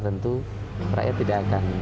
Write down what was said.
tentu rakyat tidak akan